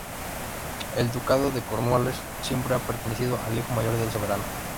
El ducado de Cornualles siempre ha pertenecido al hijo mayor del soberano.